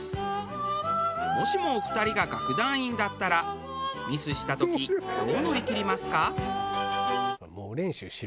もしもお二人が楽団員だったらミスした時どう乗り切りますか？